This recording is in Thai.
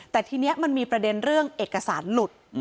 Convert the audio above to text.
แต่ทีนี้มันมีประเด็นเรื่องเอกสารหลุด